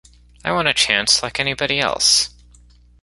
I want a chance like anybody else.